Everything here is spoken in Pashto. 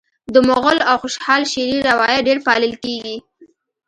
د مغل او خوشحال شعري روایت ډېر پالل کیږي